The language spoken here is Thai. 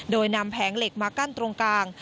โดยนำแผงเหล็กมากั้นตรงกลาง